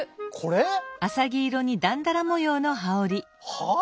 はあ？